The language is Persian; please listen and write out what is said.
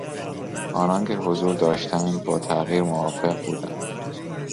آنان که حضور داشتند با تغییر موافق بودند.